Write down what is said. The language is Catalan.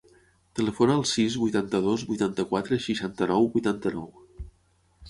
Telefona al sis, vuitanta-dos, vuitanta-quatre, seixanta-nou, vuitanta-nou.